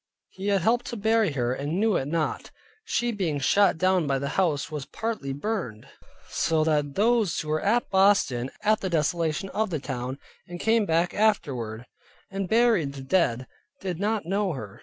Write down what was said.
he had helped to bury her, and knew it not. She being shot down by the house was partly burnt, so that those who were at Boston at the desolation of the town, and came back afterward, and buried the dead, did not know her.